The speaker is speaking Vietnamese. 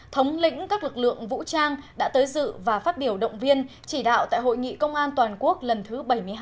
thống lĩnh các lực lượng vũ trang đã tới dự và phát biểu động viên chỉ đạo tại hội nghị công an toàn quốc lần thứ bảy mươi hai